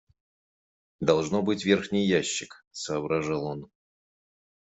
Должно быть, верхний ящик, — соображал он.